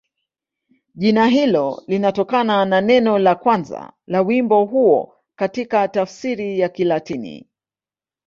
Jina hilo linatokana na neno la kwanza la wimbo huo katika tafsiri ya Kilatini.